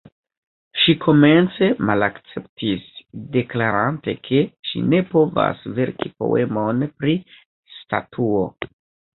Ŝi komence malakceptis, deklarante ke ŝi ne povas verki poemon pri statuo.